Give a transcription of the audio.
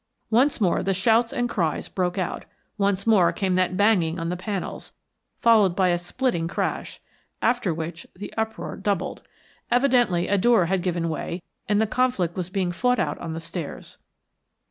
Once more the shouts and cries broke out, once more came that banging on the panels, followed by a splitting crash, after which the uproar doubled. Evidently a door had given way and the conflict was being fought out on the stairs.